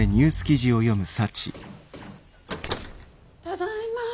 ただいま。